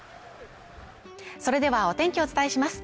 それではお天気をお伝えします